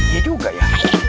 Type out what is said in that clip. dia juga ya